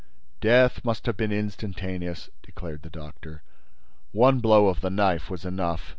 "Death must have been instantaneous," declared the doctor. "One blow of the knife was enough."